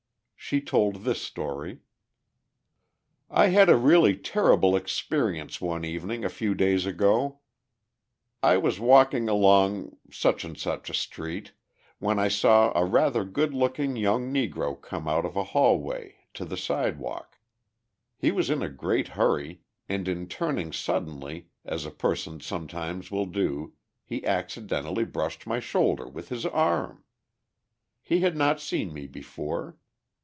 She told this story: "I had a really terrible experience one evening a few days ago. I was walking along Street when I saw a rather good looking young Negro come out of a hallway to the sidewalk. He was in a great hurry, and, in turning suddenly, as a person sometimes will do, he accidentally brushed my shoulder with his arm. He had not seen me before.